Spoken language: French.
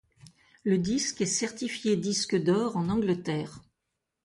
Le disque est certifié disque d'or en Angleterre.